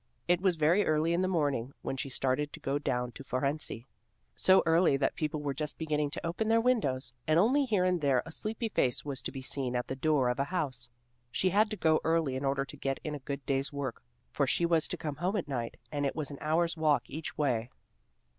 It was very early in the morning when she started to go down to Fohrensee; so early that people were just beginning to open their windows, and only here and there a sleepy face was to be seen at the door of a house. She had to go early in order to get in a good day's work, for she was to come home at night, and it was an hour's walk each way.